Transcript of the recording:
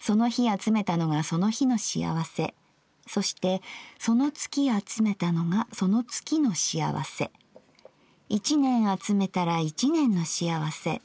その日集めたのがその日の幸せそしてその月集めたのがその月の幸せ一年集めたら一年の幸せ。